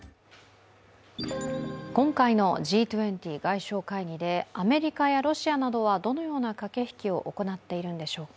今回のＧ２０外相会議でアメリカやロシアなどはどのような駆け引きを行っているんでしょうか。